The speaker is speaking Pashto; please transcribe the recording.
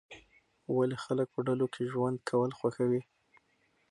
ولې خلک په ډلو کې ژوند کول خوښوي؟